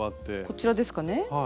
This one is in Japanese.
こちらですかね？